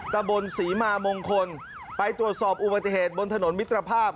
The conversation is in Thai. ตะบนศรีมามงคลไปตรวจสอบอุบัติเหตุบนถนนมิตรภาพ